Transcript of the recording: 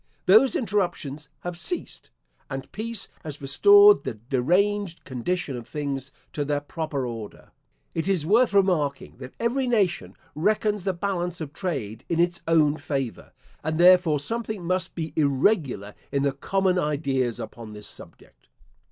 Those interruptions have ceased, and peace has restored the deranged condition of things to their proper order.* It is worth remarking that every nation reckons the balance of trade in its own favour; and therefore something must be irregular in the common ideas upon this subject.